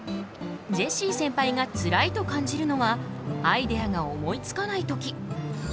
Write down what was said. ジェシーセンパイがつらいと感じるのはアイデアが思いつかないとき。